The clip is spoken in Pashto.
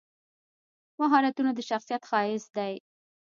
مهارتونه د شخصیت ښایست دی.